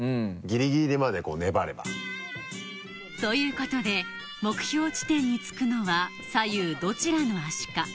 ぎりぎりまでこう粘れば。ということで目標地点に着くのは左右どちらの足か？